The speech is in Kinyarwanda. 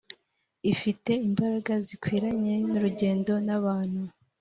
ifite imbaraga zikwiranye n’urugendo n’abantu